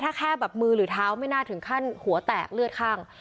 ถ้าแค่แบบมือหรือเท้าไม่น่าถึงขั้นหัวแตกเลือดข้าง